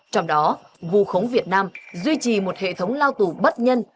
trong đó vù khống việt nam duy trì một hệ thống lao tù bất nhân